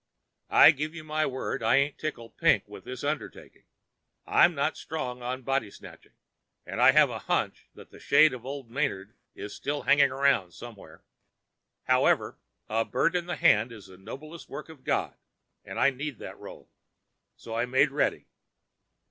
"I give you my word I ain't tickled pink with this undertaking. I'm not strong on body snatching, and I have a hunch that the shade of old Manard is still hanging around somewhere. However, a bird in the hand is the noblest work of God, and I need that roll, so I make ready.